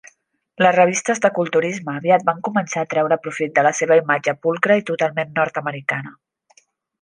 Les revistes de culturisme aviat van començar treure profit de la seva imatge pulcra i totalment nord-americana.